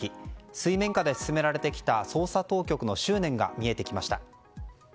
水面下で進められてきた捜査当局の執念が見えてきました。